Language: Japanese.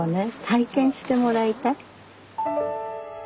体験してもらいたい。